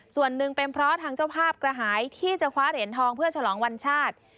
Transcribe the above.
ส่วนหนึ่งเป็นเพราะทางเจ้าภาพกระหายที่จะคว้าเหรียญทองเพื่อฉลองวันชาติ